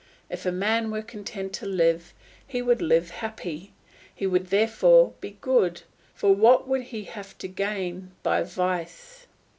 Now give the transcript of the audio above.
If a man were content to live, he would live happy; and he would therefore be good, for what would he have to gain by vice?